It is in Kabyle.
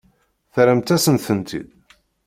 Terramt-asen-tent-id.